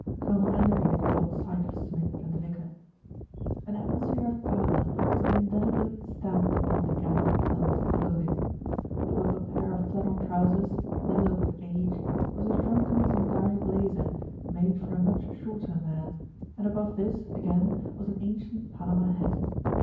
Colonel Enderby had caught sight of Smith and the vicar. 190 THE RETURN OF ALFRED An atmosphere of gala was indelibly stamped upon the gallant colonel's clothing. Above a pair of flannel trousers, yellow with age, was a shrunken Zingari blazer made for a much shorter man, and above this again was an ancient Panama hat.